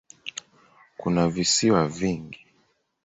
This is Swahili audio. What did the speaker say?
Kuna visiwa vingi.